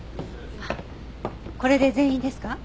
これで全員ですか？